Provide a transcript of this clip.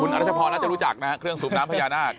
รัชพรน่าจะรู้จักนะฮะเครื่องสูบน้ำพญานาค